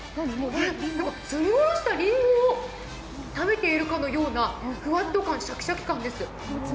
すりおろしたりんごを食べているかのようなフワッと感、シャキシャキ感です。